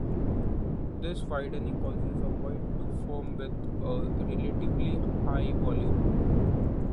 This widening causes a void to form with a relatively high volume.